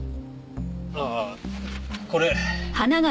ああこれ。